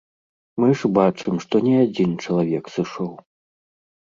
Мы ж бачым, што не адзін чалавек сышоў.